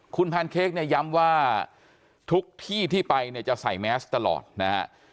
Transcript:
คุณแพนเค้กเนี่ยย้ำว่าทุกที่ที่ไปเนี่ยจะใส่แมสตลอดนะฮะ